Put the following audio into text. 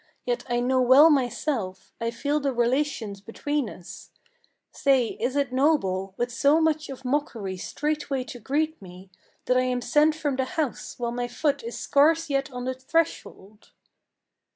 Yet I know well myself; I feel the relations between us, Say, is it noble, with so much of mockery straightway to greet me, That I am sent from the house while my foot is scarce yet on the threshold?"